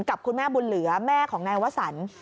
กับคุณแม่บุญเหลือแม่ของนายวสัน